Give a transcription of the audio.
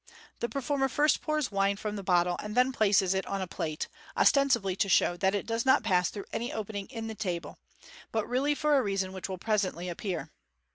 The performer first pours wine from the bottle, and then places it on a plate, ostensibly to show that it does not pass through any opening in the table, but really for a reason which will presently appear.